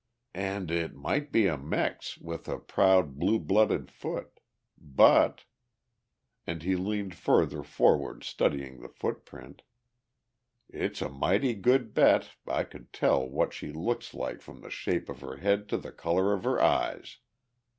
"And it might be a Mex with a proud, blue blooded foot. But," and he leaned further forward studying the foot print, "it's a mighty good bet I could tell what she looks like from the shape of her head to the colour of her eyes!